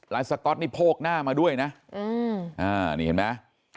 ไลน์สก็อตพกหน้ามาด้วยนะอันนี้เห็นมั้ย